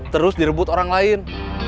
terus direbut orang lain